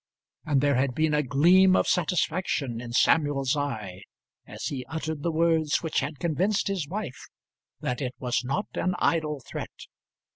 and there had been a gleam of satisfaction in Samuel's eye as he uttered the words which had convinced his wife that it was not an idle threat.